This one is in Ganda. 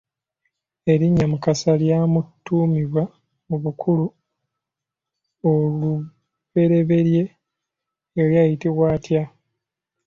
Erinnya Mukasa lyamutuumibwa mu bukulu, olubereberye yali ayitibwa atya?